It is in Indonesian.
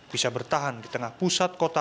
bisa bertahan di tengah pusat kota